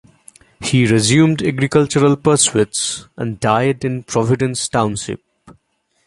He resumed agricultural pursuits, and died in Providence Township.